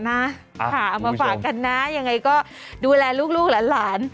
เอามาฝากกันนะยังไงก็ดูแลลูกหลาน